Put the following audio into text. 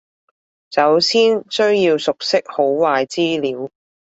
首先需要熟悉好壞資料